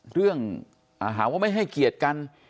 เรื่องหาว่าไม่ให้เกียรติกัน